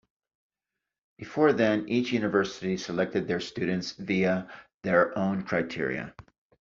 Before then each university selected their students via their own criteria.